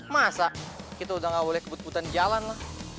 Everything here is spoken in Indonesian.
masa kita udah gak boleh kebut kebutan jalan lah